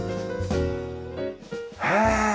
へえ！